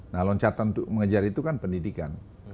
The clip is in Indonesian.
nah loncatan untuk mengejar itu kan pendidikan